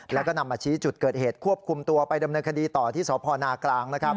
แล้วก็นำมาชี้จุดเกิดเหตุควบคุมตัวไปดำเนินคดีต่อที่สพนากลางนะครับ